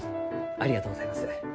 ありがとうございます。